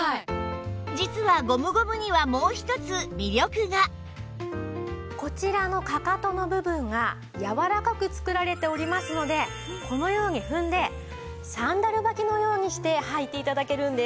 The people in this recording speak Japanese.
実はゴムゴムにはこちらのかかとの部分がやわらかく作られておりますのでこのように踏んでサンダル履きのようにして履いて頂けるんです。